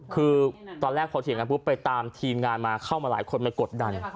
คือตอนแรกพอเถียงกันปุ๊บไปตามทีมงานมาเข้ามาหลายคนมากดดัน